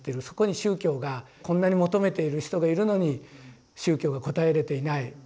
そこに宗教がこんなに求めている人がいるのに宗教が応えれていない。